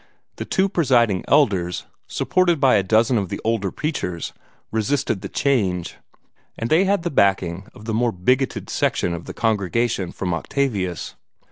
The two Presiding Elders, supported by a dozen of the older preachers, resisted the change, and they had the backing of the more bigoted section of the congregation from Octavius.